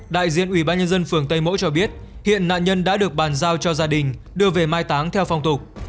đại diện ủy ban nhân dân phường tây mỗ cho biết hiện nạn nhân đã được bàn giao cho gia đình đưa về mai táng theo phong tục